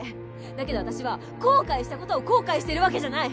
だけど私は後悔した事を後悔してるわけじゃない。